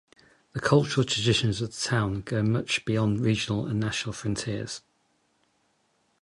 The cultural traditions of the town go much beyond regional and national frontiers.